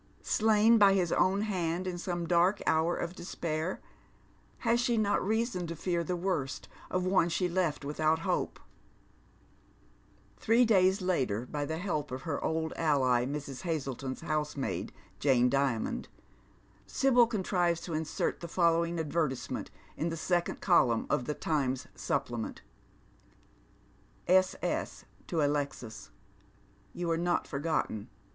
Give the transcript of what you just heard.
Slain by his own hand in some dark hour of despair. Ha3 she not rtsasou to icar the worst of one she left without hope ? 80 Dead Men's Shoe^. Three days later, by the help of her old ally, Mrs. Haz.letoTi'a housemaid, Jane Dimond, Sibyl contrives to insert the followLiig advertisement in the second colmnn of the Times supplement:— " S. S. to Alexis. — You are not forgotten.